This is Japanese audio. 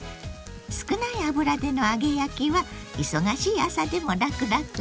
少ない油での揚げ焼きは忙しい朝でも楽々よ。